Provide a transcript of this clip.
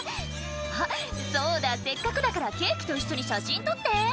「あっそうだせっかくだからケーキと一緒に写真撮って」